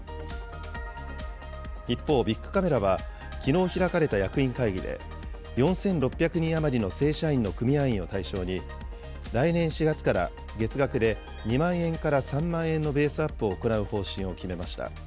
一方、ビックカメラはきのう開かれた役員会議で、４６００人余りの正社員の組合員を対象に、来年４月から月額で２万円から３万円のベースアップを行う方針を決めました。